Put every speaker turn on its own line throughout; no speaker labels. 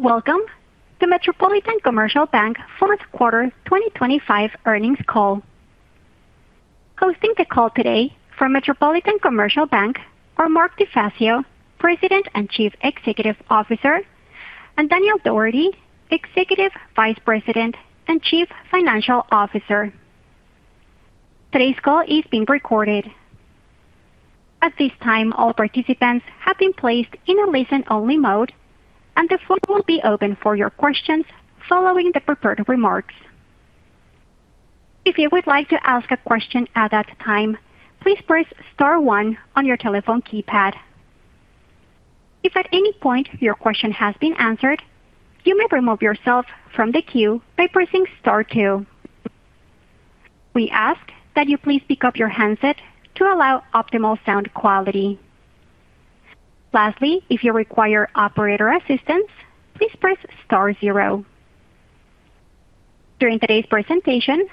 Welcome to Metropolitan Commercial Bank Q4 2025 earnings call. Hosting the call today from Metropolitan Commercial Bank are Mark DeFazio, President and Chief Executive Officer, and Daniel Dougherty, Executive Vice President and Chief Financial Officer. Today's call is being recorded. At this time, all participants have been placed in a listen-only mode, and the floor will be open for your questions following the prepared remarks. If you would like to ask a question at that time, please press Star one on your telephone keypad. If at any point your question has been answered, you may remove yourself from the queue by pressing Star two. We ask that you please pick up your handset to allow optimal sound quality. Lastly, if you require operator assistance, please press Star zero. During today's presentation,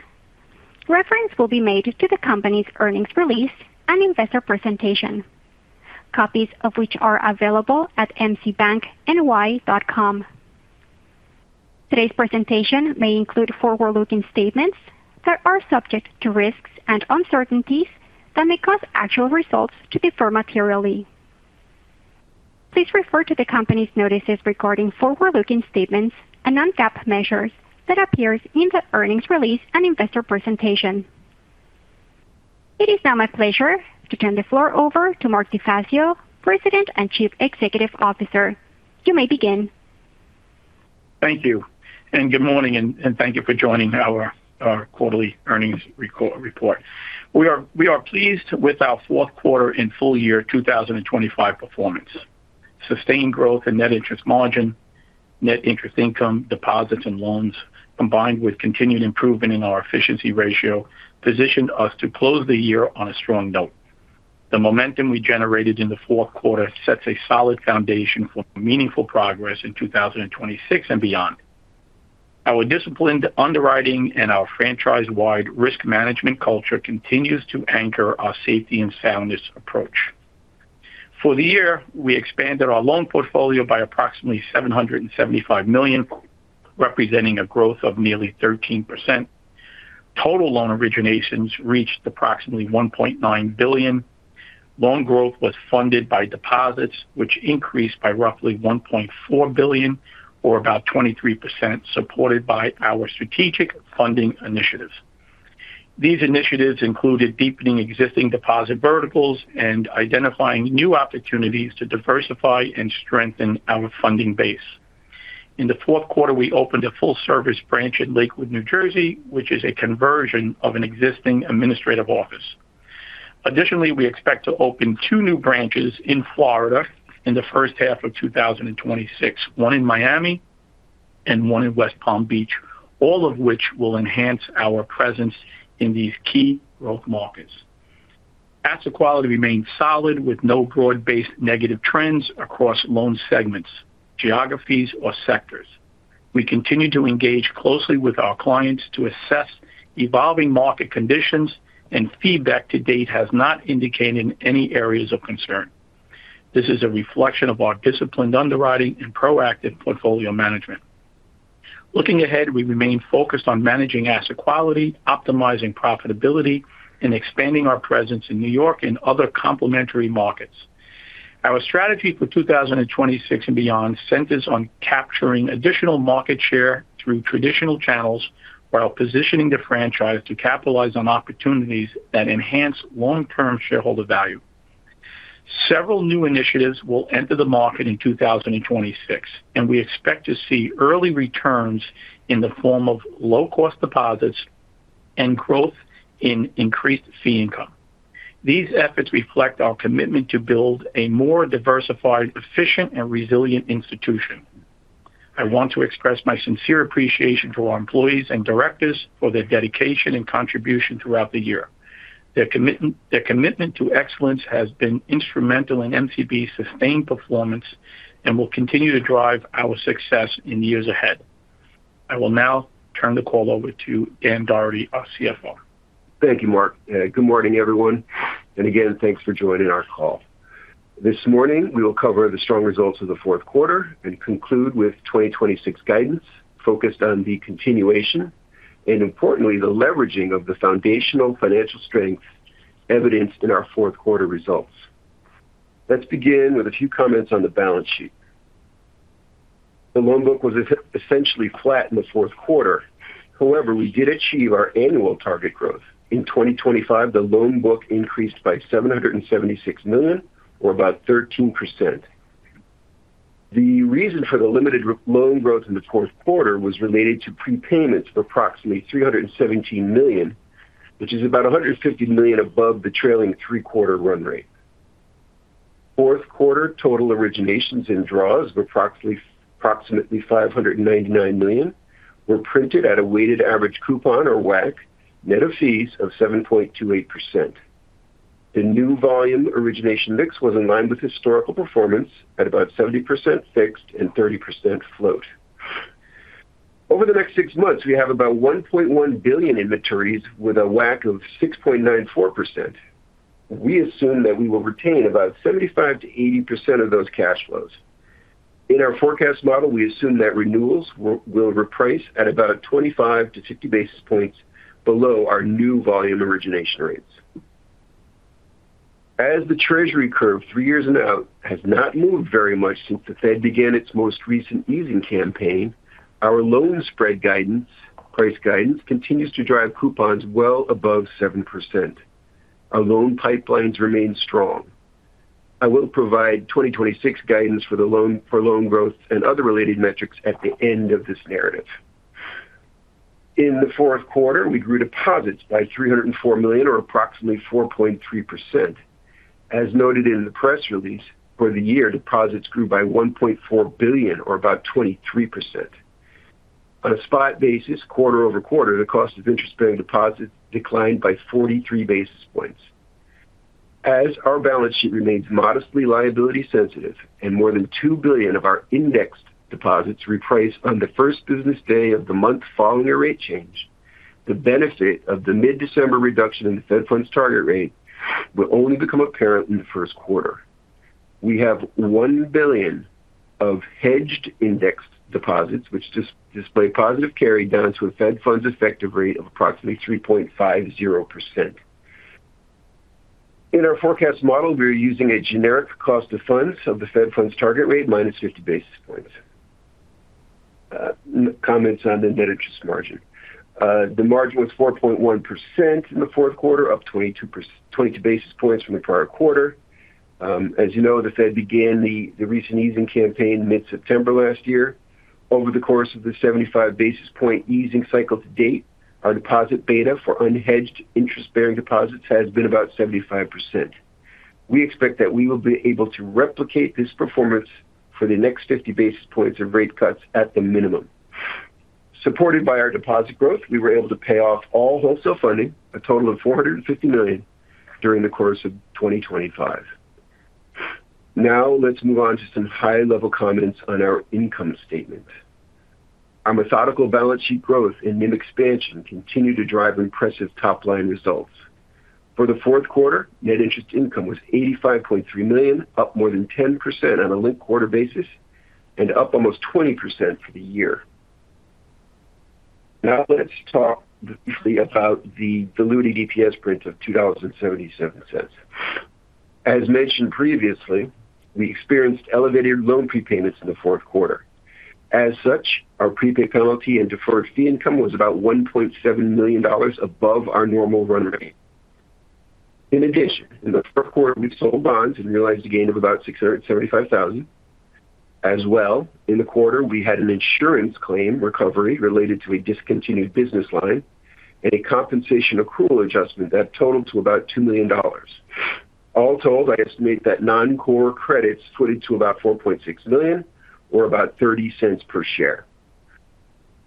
reference will be made to the company's earnings release and investor presentation, copies of which are available at mcbankny.com. Today's presentation may include forward-looking statements that are subject to risks and uncertainties that may cause actual results to differ materially. Please refer to the company's notices regarding forward-looking statements and non-GAAP measures that appear in the earnings release and investor presentation. It is now my pleasure to turn the floor over to Mark DeFazio, President and Chief Executive Officer. You may begin.
Thank you. And good morning, and thank you for joining our quarterly earnings report. We are pleased with our Q4 and full year 2025 performance. Sustained growth in net interest margin, net interest income, deposits, and loans, combined with continued improvement in our efficiency ratio, position us to close the year on a strong note. The momentum we generated in the Q4 sets a solid foundation for meaningful progress in 2026 and beyond. Our disciplined underwriting and our franchise-wide risk management culture continues to anchor our safety and soundness approach. For the year, we expanded our loan portfolio by approximately $775 million, representing a growth of nearly 13%. Total loan originations reached approximately $1.9 billion. Loan growth was funded by deposits, which increased by roughly $1.4 billion, or about 23%, supported by our strategic funding initiatives. These initiatives included deepening existing deposit verticals and identifying new opportunities to diversify and strengthen our funding base. In the Q4, we opened a full-service branch in Lakewood, New Jersey, which is a conversion of an existing administrative office. Additionally, we expect to open two new branches in Florida in the first half of 2026, one in Miami and one in West Palm Beach, all of which will enhance our presence in these key growth markets. Asset quality remains solid, with no broad-based negative trends across loan segments, geographies, or sectors. We continue to engage closely with our clients to assess evolving market conditions, and feedback to date has not indicated any areas of concern. This is a reflection of our disciplined underwriting and proactive portfolio management. Looking ahead, we remain focused on managing asset quality, optimizing profitability, and expanding our presence in New York and other complementary markets. Our strategy for 2026 and beyond centers on capturing additional market share through traditional channels while positioning the franchise to capitalize on opportunities that enhance long-term shareholder value. Several new initiatives will enter the market in 2026, and we expect to see early returns in the form of low-cost deposits and growth in increased fee income. These efforts reflect our commitment to build a more diversified, efficient, and resilient institution. I want to express my sincere appreciation for our employees and directors for their dedication and contribution throughout the year. Their commitment to excellence has been instrumental in MCB's sustained performance and will continue to drive our success in years ahead. I will now turn the call over to Dan Dougherty, our CFO.
Thank you, Mark. Good morning, everyone, and again, thanks for joining our call. This morning, we will cover the strong results of the Q4 and conclude with 2026 guidance focused on the continuation and, importantly, the leveraging of the foundational financial strengths evidenced in our Q4 results. Let's begin with a few comments on the balance sheet. The loan book was essentially flat in the Q4. However, we did achieve our annual target growth. In 2025, the loan book increased by $776 million, or about 13%. The reason for the limited loan growth in the Q4 was related to prepayments of approximately $317 million, which is about $150 million above the trailing three-quarter run rate. Q4 total originations and draws of approximately $599 million were printed at a weighted average coupon, or WAC, net of fees of 7.28%. The new volume origination mix was in line with historical performance at about 70% fixed and 30% float. Over the next six months, we have about $1.1 billion in maturities with a WAC of 6.94%. We assume that we will retain about 75%-80% of those cash flows. In our forecast model, we assume that renewals will reprice at about 25 to 50 basis points below our new volume origination rates. As the Treasury curve, three years in, out, has not moved very much since the Fed began its most recent easing campaign, our loan spread guidance, price guidance, continues to drive coupons well above 7%. Our loan pipelines remain strong. I will provide 2026 guidance for the loan for loan growth and other related metrics at the end of this narrative. In the Q4, we grew deposits by $304 million, or approximately 4.3%. As noted in the press release for the year, deposits grew by $1.4 billion, or about 23%. On a spot basis, quarter over quarter, the cost of interest-bearing deposits declined by 43 basis points. As our balance sheet remains modestly liability-sensitive and more than $2 billion of our indexed deposits reprice on the first business day of the month following a rate change, the benefit of the mid-December reduction in the Fed Funds Target Rate will only become apparent in the Q1. We have $1 billion of hedged indexed deposits, which display positive carry down to a Fed Funds effective rate of approximately 3.50%. In our forecast model, we are using a generic cost of funds of the Fed Funds Target Rate minus 50 basis points. Comments on the net interest margin. The margin was 4.1% in the Q4, up 22 basis points from the prior quarter. As you know, the Fed began the recent easing campaign mid-September last year. Over the course of the 75 basis point easing cycle to date, our deposit beta for unhedged interest-bearing deposits has been about 75%. We expect that we will be able to replicate this performance for the next 50 basis points of rate cuts at the minimum. Supported by our deposit growth, we were able to pay off all wholesale funding, a total of $450 million during the course of 2025. Now, let's move on to some high-level comments on our income statement. Our methodical balance sheet growth and NIM expansion continue to drive impressive top-line results. For the Q4, net interest income was $85.3 million, up more than 10% on a linked quarter basis and up almost 20% for the year. Now, let's talk briefly about the diluted EPS print of $2.77. As mentioned previously, we experienced elevated loan prepayments in the Q4. As such, our prepay penalty and deferred fee income was about $1.7 million above our normal run rate. In addition, in the Q4, we sold bonds and realized a gain of about $675,000. As well, in the quarter, we had an insurance claim recovery related to a discontinued business line and a compensation accrual adjustment that totaled to about $2 million. All told, I estimate that non-core credits footed to about $4.6 million, or about $0.30 per share.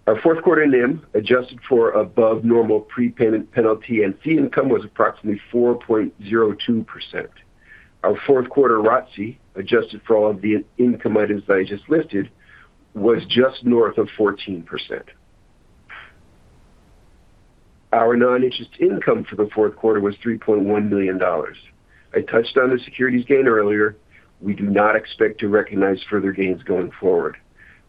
Our Q4 NIM adjusted for above-normal prepayment penalty and fee income was approximately 4.02%. Our Q4 ROTCE, adjusted for all of the income items that I just listed, was just north of 14%. Our non-interest income for the Q4 was $3.1 million. I touched on the securities gain earlier. We do not expect to recognize further gains going forward.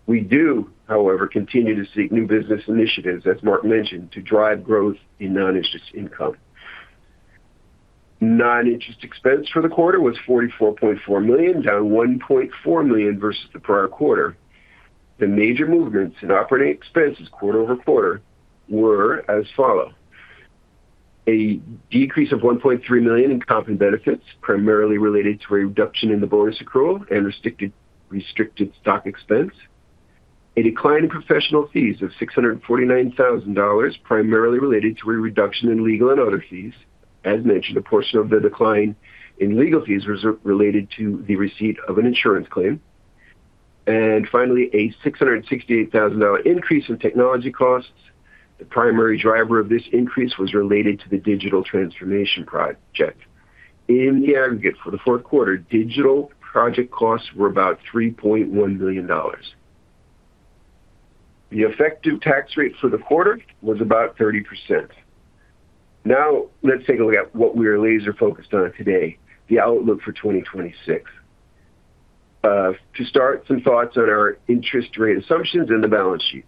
We do, however, continue to seek new business initiatives, as Mark mentioned, to drive growth in non-interest income. Non-interest expense for the quarter was $44.4 million, down $1.4 million versus the prior quarter. The major movements in operating expenses quarter over quarter were as follows. A decrease of $1.3 million in comp and benefits, primarily related to a reduction in the bonus accrual and restricted stock expense. A decline in professional fees of $649,000, primarily related to a reduction in legal and other fees. As mentioned, a portion of the decline in legal fees was related to the receipt of an insurance claim. And finally, a $668,000 increase in technology costs. The primary driver of this increase was related to the digital transformation project. In the aggregate for the Q4, digital project costs were about $3.1 million. The effective tax rate for the quarter was about 30%. Now, let's take a look at what we are laser-focused on today, the outlook for 2026. To start, some thoughts on our interest rate assumptions and the balance sheet.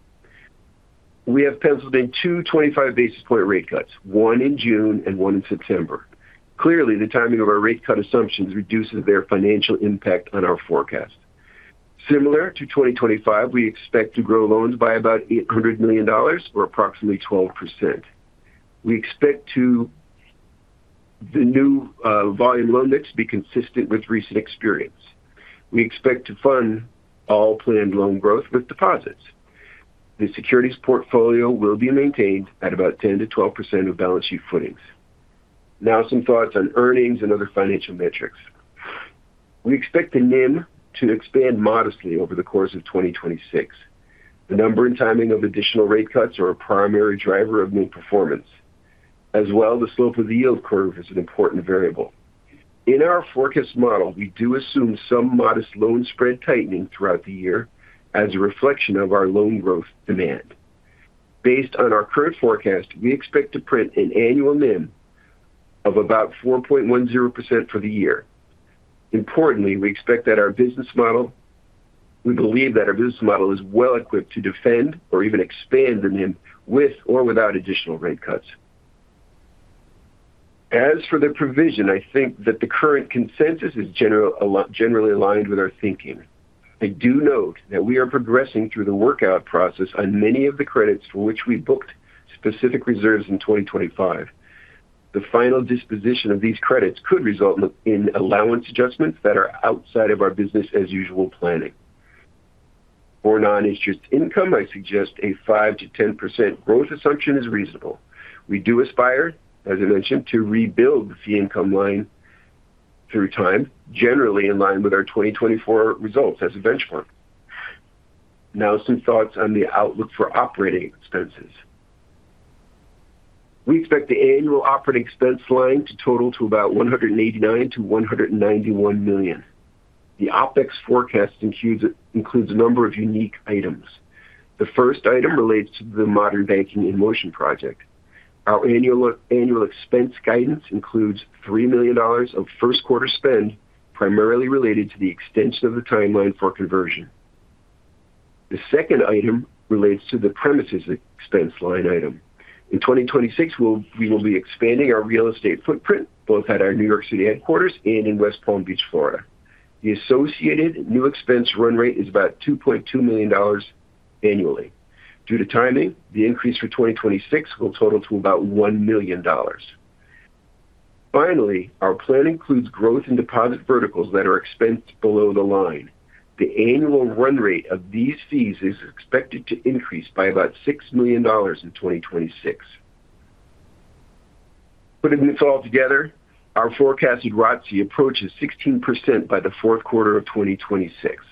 We have penciled in two 25 basis point rate cuts, one in June and one in September. Clearly, the timing of our rate cut assumptions reduces their financial impact on our forecast. Similar to 2025, we expect to grow loans by about $800 million, or approximately 12%. We expect the new volume loan mix to be consistent with recent experience. We expect to fund all planned loan growth with deposits. The securities portfolio will be maintained at about 10%-12% of balance sheet footings. Now, some thoughts on earnings and other financial metrics. We expect the NIM to expand modestly over the course of 2026. The number and timing of additional rate cuts are a primary driver of new performance. As well, the slope of the yield curve is an important variable. In our forecast model, we do assume some modest loan spread tightening throughout the year as a reflection of our loan growth demand. Based on our current forecast, we expect to print an annual NIM of about 4.10% for the year. Importantly, we expect that our business model, we believe that our business model is well equipped to defend or even expand the NIM with or without additional rate cuts. As for the provision, I think that the current consensus is generally aligned with our thinking. I do note that we are progressing through the workout process on many of the credits for which we booked specific reserves in 2025. The final disposition of these credits could result in allowance adjustments that are outside of our business-as-usual planning. For non-interest income, I suggest a 5%-10% growth assumption is reasonable. We do aspire, as I mentioned, to rebuild the fee income line through time, generally in line with our 2024 results as a benchmark. Now, some thoughts on the outlook for operating expenses. We expect the annual operating expense line to total to about $189 million-$191 million. The OpEx forecast includes a number of unique items. The first item relates to the Modern Banking in Motion project. Our annual expense guidance includes $3 million of first-quarter spend, primarily related to the extension of the timeline for conversion. The second item relates to the premises expense line item. In 2026, we will be expanding our real estate footprint both at our New York City headquarters and in West Palm Beach, Florida. The associated new expense run rate is about $2.2 million annually. Due to timing, the increase for 2026 will total to about $1 million. Finally, our plan includes growth in deposit verticals that are expensed below the line. The annual run rate of these fees is expected to increase by about $6 million in 2026. Putting this all together, our forecasted ROTCE approaches 16% by the Q4 of 2026.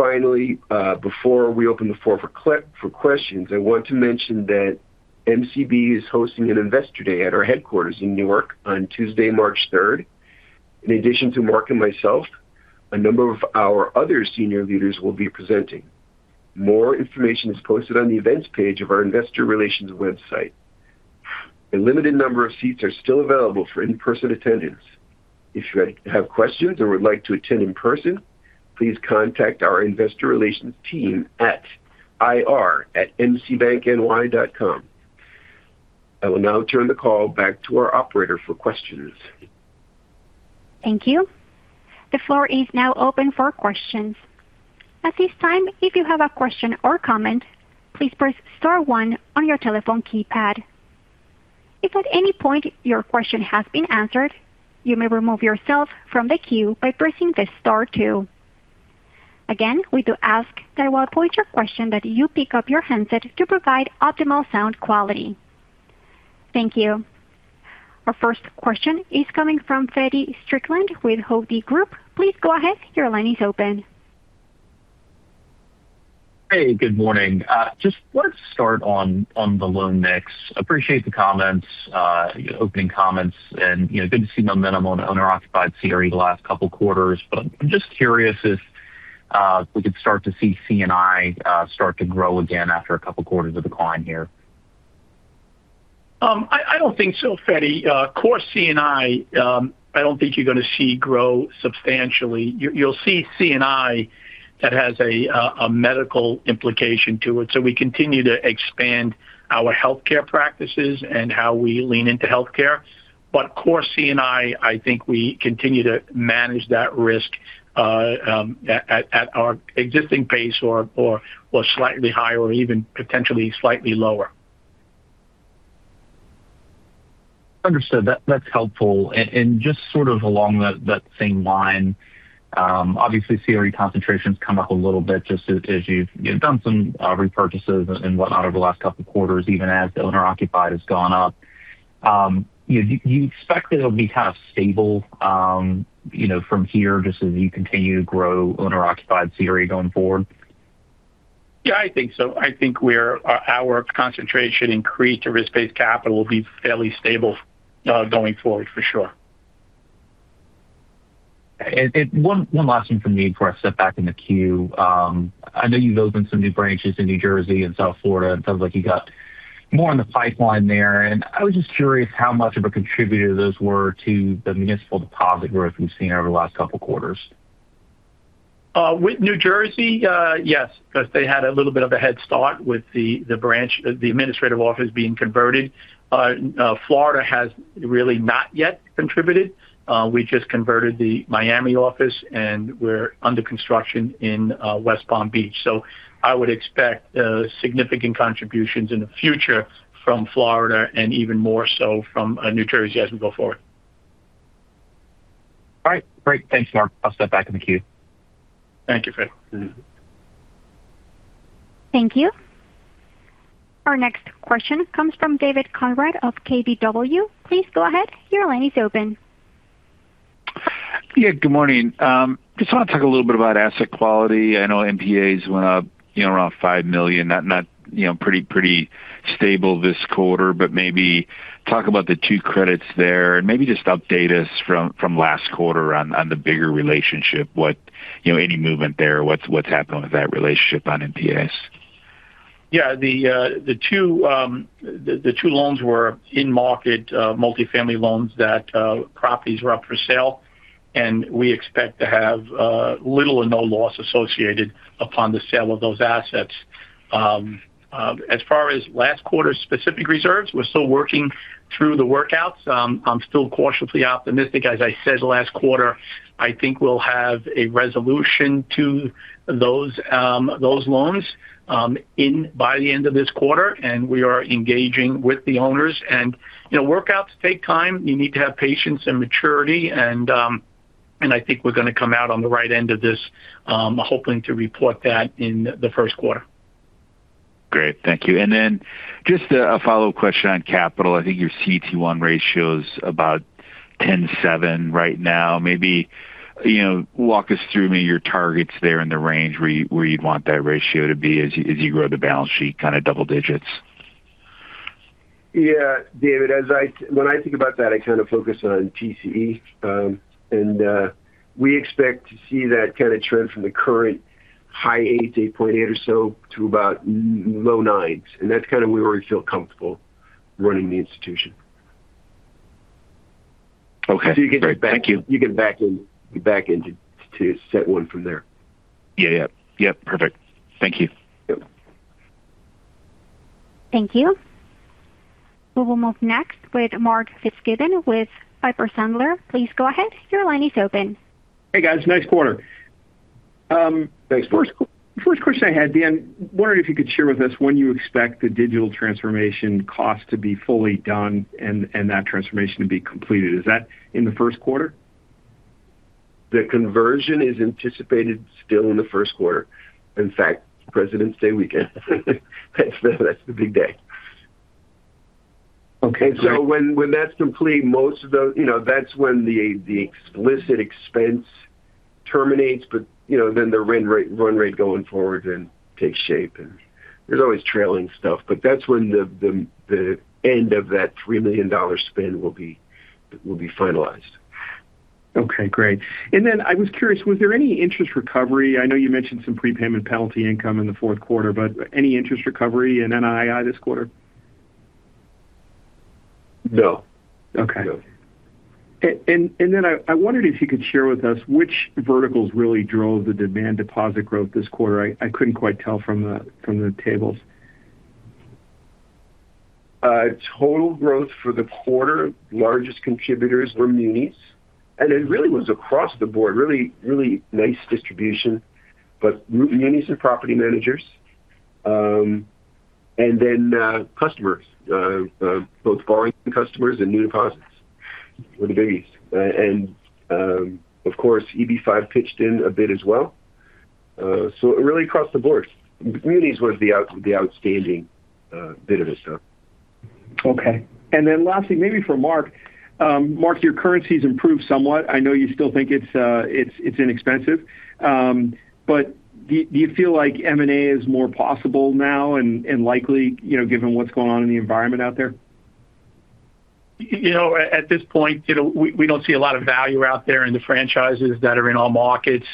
Finally, before we open the floor for questions, I want to mention that MCB is hosting an Investor Day at our headquarters in New York on Tuesday, March 3rd. In addition to Mark and myself, a number of our other senior leaders will be presenting. More information is posted on the events page of our Investor Relations website. A limited number of seats are still available for in-person attendance. If you have questions or would like to attend in person, please contact our Investor Relations team at ir@mcbankny.com. I will now turn the call back to our operator for questions.
Thank you. The floor is now open for questions. At this time, if you have a question or comment, please press Star one on your telephone keypad. If at any point your question has been answered, you may remove yourself from the queue by pressing the Star two. Again, we do ask that while posing your question, that you pick up your handset to provide optimal sound quality. Thank you. Our first question is coming from Feddie Strickland with Hovde Group. Please go ahead. Your line is open.
Hey, good morning. Just wanted to start on the loan mix. Appreciate the comments, your opening comments, and good to see momentum on the owner-occupied CRE the last couple of quarters. But I'm just curious if we could start to see C&I start to grow again after a couple of quarters of decline here.
I don't think so, Feddie. Core C&I, I don't think you're going to see grow substantially. You'll see C&I that has a medical implication to it. So we continue to expand our healthcare practices and how we lean into healthcare. But core C&I, I think we continue to manage that risk at our existing pace or slightly higher or even potentially slightly lower.
Understood. That's helpful. And just sort of along that same line, obviously, CRE concentrations come up a little bit just as you've done some repurchases and whatnot over the last couple of quarters, even as the owner-occupied has gone up. Do you expect that it'll be kind of stable from here just as you continue to grow owner-occupied CRE going forward?
Yeah, I think so. I think our concentration increase to risk-based capital will be fairly stable going forward, for sure.
And one last thing for me before I step back in the queue. I know you've opened some new branches in New Jersey and South Florida, and it sounds like you've got more in the pipeline there. And I was just curious how much of a contributor those were to the municipal deposit growth we've seen over the last couple of quarters?
With New Jersey, yes, because they had a little bit of a head start with the branch, the administrative office being converted. Florida has really not yet contributed. We just converted the Miami office, and we're under construction in West Palm Beach. So I would expect significant contributions in the future from Florida and even more so from New Jersey as we go forward.
All right. Great. Thanks, Mark. I'll step back in the queue.
Thank you, Feddie.
Thank you. Our next question comes from David Konrad of KBW. Please go ahead. Your line is open.
Yeah, good morning. Just want to talk a little bit about asset quality. I know NPAs went up around $5 million, now pretty stable this quarter, but maybe talk about the two credits there and maybe just update us from last quarter on the bigger relationship, any movement there, what's happened with that relationship on NPAs.
Yeah, the two loans were in-market multifamily loans that properties were up for sale, and we expect to have little or no loss associated upon the sale of those assets. As far as last quarter specific reserves, we're still working through the workouts. I'm still cautiously optimistic. As I said last quarter, I think we'll have a resolution to those loans by the end of this quarter, and we are engaging with the owners. And workouts take time. You need to have patience and maturity. And I think we're going to come out on the right end of this, hoping to report that in the Q1.
Great. Thank you. And then just a follow-up question on capital. I think your CET1 ratio is about 10.7 right now. Maybe walk us through your targets there in the range where you'd want that ratio to be as you grow the balance sheet, kind of double digits?
Yeah, David, when I think about that, I kind of focus on TCE. And we expect to see that kind of trend from the current high 8, 8.8 or so to about low 9s. And that's kind of where we feel comfortable running the institution.
Okay. Great. Thank you.
So you can get back into CET1 from there.
Yeah. Yep. Perfect. Thank you.
Thank you. We will move next with Mark Fitzgibbon with Piper Sandler. Please go ahead. Your line is open.
Hey, guys. Nice quarter. First question I had, Dan, wondering if you could share with us when you expect the digital transformation cost to be fully done and that transformation to be completed. Is that in the Q1?
The conversion is anticipated still in the Q1. In fact, President's Day weekend. That's the big day.
Okay.
So when that's complete, most of those, that's when the explicit expense terminates, but then the run rate going forward then takes shape, and there's always trailing stuff, but that's when the end of that $3 million spend will be finalized.
Okay. Great. And then I was curious, was there any interest recovery? I know you mentioned some prepayment penalty income in the Q4, but any interest recovery in NII this quarter?
No.
Okay. And then I wondered if you could share with us which verticals really drove the demand deposit growth this quarter. I couldn't quite tell from the tables.
Total growth for the quarter. Largest contributors were munis. And it really was across the board, really nice distribution, but munis and property managers. And then customers, both borrowing customers and new deposits were the biggest. And of course, EB-5 pitched in a bit as well. So it really was across the board. Munis was the outstanding bit of this stuff.
Okay, and then lastly, maybe for Mark. Mark, your currency's improved somewhat. I know you still think it's inexpensive, but do you feel like M&A is more possible now and likely given what's going on in the environment out there?
At this point, we don't see a lot of value out there in the franchises that are in all markets.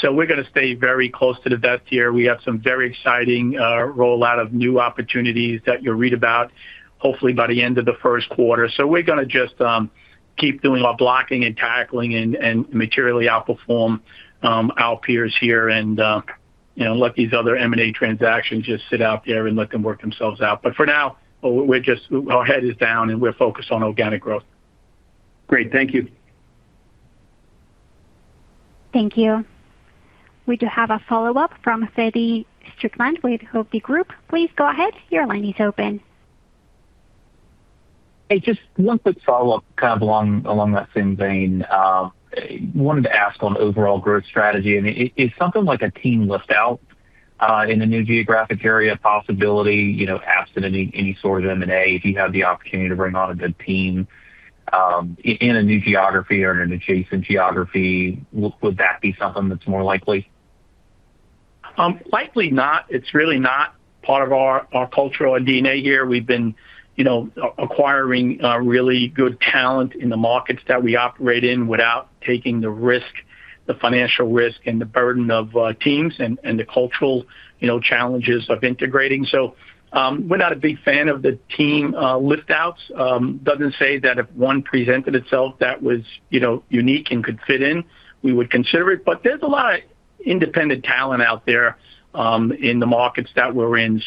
So we're going to stay very close to the vest here. We have some very exciting rollout of new opportunities that you'll read about, hopefully by the end of the Q1. So we're going to just keep doing our blocking and tackling and materially outperform our peers here and let these other M&A transactions just sit out there and let them work themselves out. But for now, our head is down and we're focused on organic growth.
Great. Thank you.
Thank you. We do have a follow-up from Feddie Strickland with Hovde Group. Please go ahead. Your line is open.
Hey, just one quick follow-up kind of along that same vein. I wanted to ask on overall growth strategy. I mean, is something like a team lift out in a new geographic area a possibility absent any sort of M&A? If you have the opportunity to bring on a good team in a new geography or in an adjacent geography, would that be something that's more likely?
Likely not. It's really not part of our cultural DNA here. We've been acquiring really good talent in the markets that we operate in without taking the risk, the financial risk, and the burden of teams and the cultural challenges of integrating. So we're not a big fan of the team lift-outs. Doesn't say that if one presented itself that was unique and could fit in, we would consider it. But there's a lot of independent talent out there in the markets that we're in.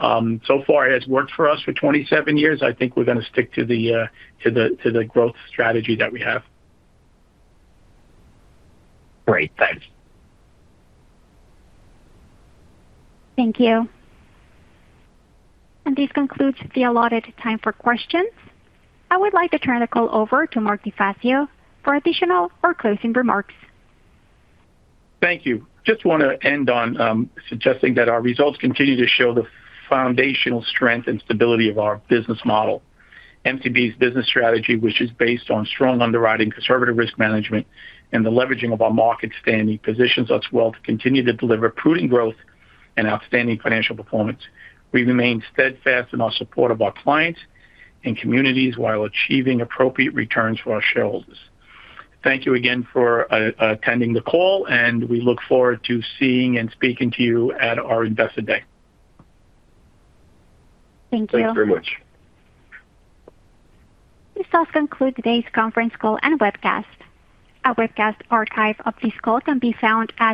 So far, it has worked for us for 27 years. I think we're going to stick to the growth strategy that we have.
Great. Thanks.
Thank you. And this concludes the allotted time for questions. I would like to turn the call over to Mark DeFazio for additional or closing remarks.
Thank you. Just want to end on suggesting that our results continue to show the foundational strength and stability of our business model. MCB's business strategy, which is based on strong underwriting, conservative risk management, and the leveraging of our market standing, positions us well to continue to deliver prudent growth and outstanding financial performance. We remain steadfast in our support of our clients and communities while achieving appropriate returns for our shareholders. Thank you again for attending the call, and we look forward to seeing and speaking to you at our Investor Day.
Thank you.
Thank you very much.
This does conclude today's conference call and webcast. Our webcast archive of this call can be found at.